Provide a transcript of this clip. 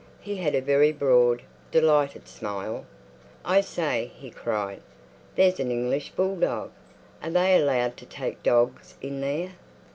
He had a very broad, delighted smile. "I say," he cried, "there's an English bulldog. Are they allowed to take dogs in there?"